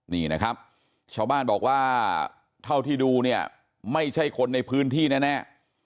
นี่นะครับชาวบ้านบอกว่าเท่าที่ดูเนี่ยไม่ใช่คนในพื้นที่แน่